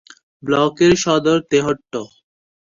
ব্লকের সদর তেহট্ট।